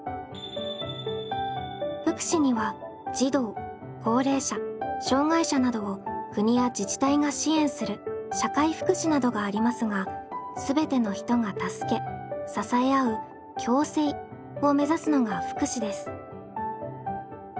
福祉には児童高齢者障害者などを国や自治体が支援する社会福祉などがありますがすべての人が助け支え合う「共生」を目指すのが福祉です。